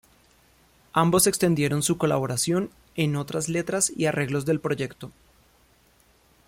Ambos extendieron su colaboración en otras letras y arreglos del proyecto.